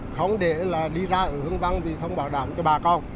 không để là đi ra ở hương văn vì không bảo đảm cho bà con